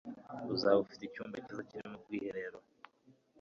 uzaba ufite icyumba cyiza kirimo ubwiherero